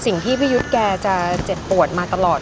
สิ่งที่พี่ยุทธ์แกจะเจ็บปวดมาตลอด